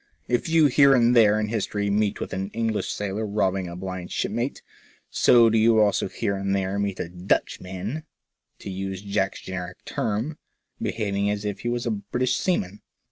If you here and there in history meet with an English sailor robbing a blind shipmate, so do you also here and there meet with a "Dutchman," to use Jack's generic term, behaving as if he were a British seaman.